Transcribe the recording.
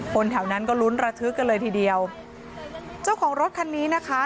แถวนั้นก็ลุ้นระทึกกันเลยทีเดียวเจ้าของรถคันนี้นะคะ